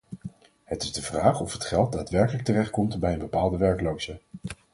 Het is de vraag of het geld daadwerkelijk terechtkomt bij een bepaalde werkloze.